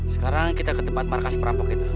sekarang kita ke tempat markas perampok itu